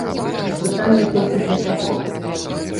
Пытанне толькі для чаго.